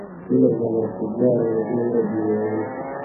zile za mashujaa wengine duniani